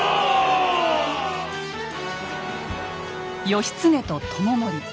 義経と知盛。